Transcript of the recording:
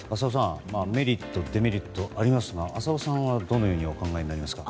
メリット、デメリットありますが浅尾さんはどのようにお考えになりますか？